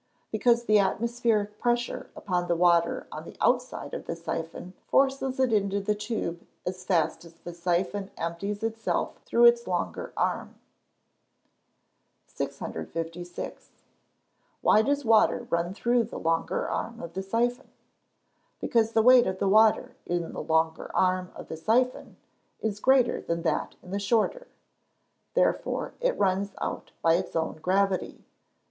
_ Because the atmospheric pressure upon the water on the outside of the syphon forces it into the tube as fast as the syphon empties itself through its longer arm. 656. Why does water run through the longer arm of the syphon? Because the weight of the water in the longer arm of the syphon is greater than that in the shorter; therefore it runs out by its own gravity.